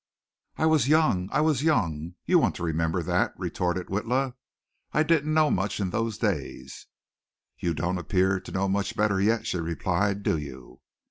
"I was young! I was young! You want to remember that," retorted Witla. "I didn't know much in those days." "You don't appear to know much better yet," she replied, "do you?"